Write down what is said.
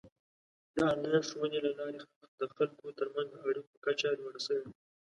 د آنلاین ښوونې له لارې د خلکو ترمنځ د اړیکو کچه لوړه شوې ده.